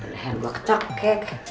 leher gue kecak kek